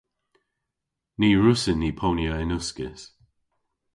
Ny wrussyn ni ponya yn uskis.